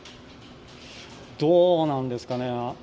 どうなんですかね。